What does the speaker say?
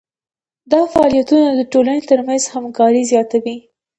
دا فعالیتونه د ټولنې ترمنځ همکاري زیاتوي.